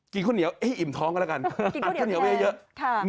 กินข้าวเหนียวอิ่มท้องกันแล้วกัน